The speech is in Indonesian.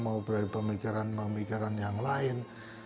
mau dari pemikiran pemikiran yang lain